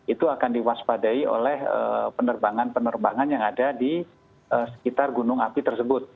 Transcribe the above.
itu akan diwaspadai oleh penerbangan penerbangan yang ada di sekitar gunung api tersebut